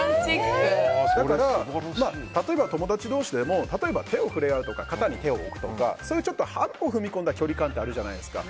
だから、例えば友達同士でも手を触れ合うとか肩に触れ合うとかそういう半歩踏み込んだ距離感ってあるじゃないですか。